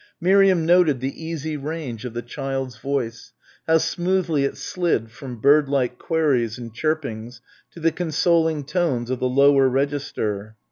Miriam noted the easy range of the child's voice, how smoothly it slid from bird like queries and chirpings to the consoling tones of the lower register.